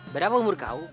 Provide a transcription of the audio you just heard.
berapa umur kau